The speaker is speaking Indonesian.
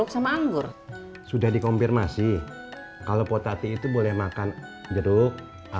sama yang mau lah